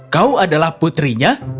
kau adalah putrinya